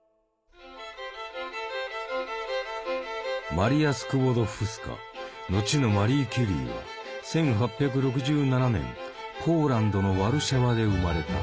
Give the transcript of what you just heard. マリア・スクウォドフスカ後のマリー・キュリーは１８６７年ポーランドのワルシャワで生まれた。